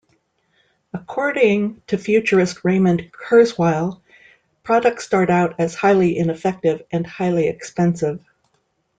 According to futurist Raymond Kurzweil, products start out as highly ineffective and highly expensive.